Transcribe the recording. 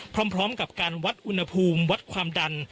พร้อมกับการวัดอุณหภูมิวัดความดัน